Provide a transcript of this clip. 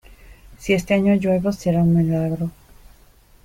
Si este año llueve, será un milagro.